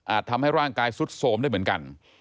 ทำให้ร่างกายสุดโสมได้เหมือนกัน